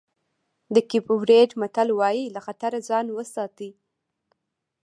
د کېپ ورېډ متل وایي له خطره ځان وساتئ.